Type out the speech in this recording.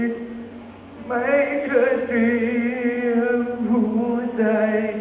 อย่ามาห้ามฉันเมื่อเธอขอบคุณน้ำตา